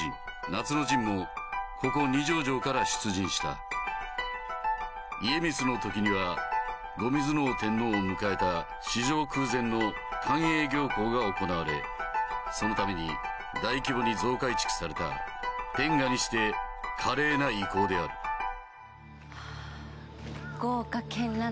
夏の陣もここ二条城から出陣した家光のときには後水尾天皇を迎えた史上空前の寛永行幸が行われそのために大規模に増改築された典雅にして華麗な遺構であるはぁ。